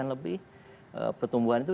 lebih pertumbuhan itu